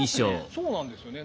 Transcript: そうなんですよね。